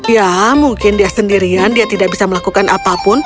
ya mungkin dia sendirian dia tidak bisa melakukan apapun